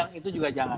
nah itu juga jangan